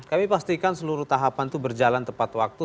kami pastikan seluruh tahapan itu berjalan tepat waktu